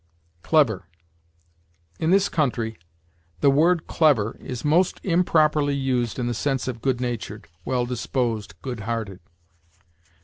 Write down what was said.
CLEVER. In this country the word clever is most improperly used in the sense of good natured, well disposed, good hearted.